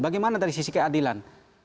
bagaimana dari sisi keadilan